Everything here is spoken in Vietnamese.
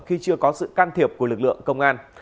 khi chưa có sự can thiệp của lực lượng công an